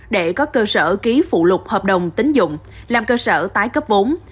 để có cơ sở ký phụ lục hợp đồng tính dụng làm cơ sở tái cấp vốn